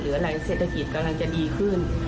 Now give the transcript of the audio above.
หรืออะไรเศรษฐกิจกำลังจะดีขึ้น